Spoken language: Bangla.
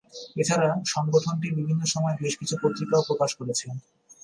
এছাড়া, সংগঠনটি বিভিন্ন সময়ে বেশ কিছু পত্রিকাও প্রকাশ করেছে।